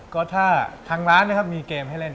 ก็ถ้าทางร้านนะครับมีเกมให้เล่น